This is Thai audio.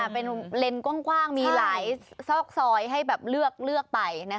เป็นเลนส์กว้างมีหลายซอกซอยให้แบบเลือกไป